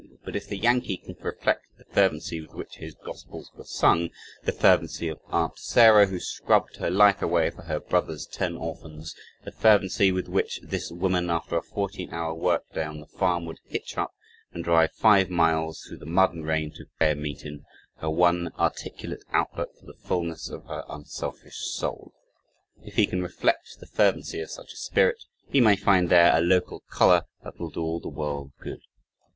But, if the Yankee can reflect the fervency with which "his gospels" were sung the fervency of "Aunt Sarah," who scrubbed her life away, for her brother's ten orphans, the fervency with which this woman, after a fourteen hour work day on the farm, would hitch up and drive five miles, through the mud and rain to "prayer meetin'" her one articulate outlet for the fullness of her unselfish soul if he can reflect the fervency of such a spirit, he may find there a local color that will do all the world good.